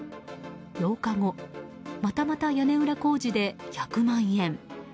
８日後、またまた屋根裏工事で１００万円。